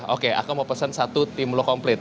oke aku mau pesen satu tim lo komplit